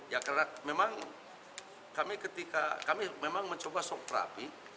ya karena memang kami mencoba sok terapi